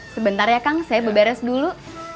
sebentar ya kang saya berberes dulu